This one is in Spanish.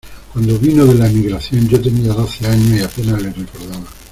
cuando vino de la emigración, yo tenía doce años y apenas le recordaba...